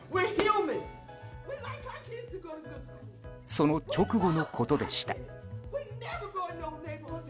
その直後のことでした。